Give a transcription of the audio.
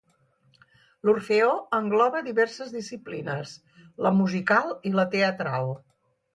L'Orfeó engloba diverses disciplines, la musical i la teatral.